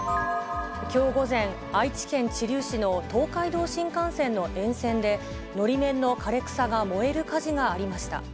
きょう午前、愛知県知立市の東海道新幹線の沿線で、のり面の枯れ草が燃える火事がありました。